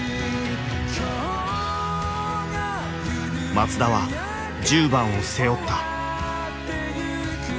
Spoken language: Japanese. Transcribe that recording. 松田は１０番を背負った。